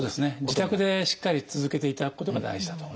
自宅でしっかり続けていただくことが大事だと思います。